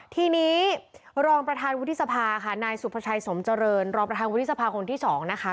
ทีนี้รองประธานวุฒิสภาค่ะนายสุภาชัยสมเจริญรองประธานวุฒิสภาคนที่สองนะคะ